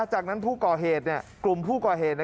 จากนั้นผู้ก่อเหตุกลุ่มผู้ก่อเหตุ